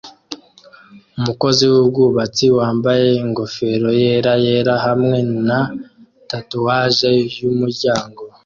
Umukozi wubwubatsi wambaye ingofero yera yera hamwe na tatuwaje yumuryango